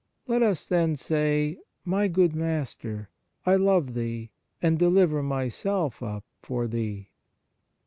Let us, then, say :" My good Master, I love Thee, and deliver myself up for Thee."